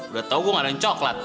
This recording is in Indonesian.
udah tau gue gak ada yang coklat